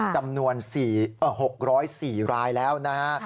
จำนวน๖๐๔รายแล้วนะฮะ